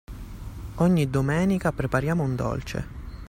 Ogni Domenica prepariamo un dolce.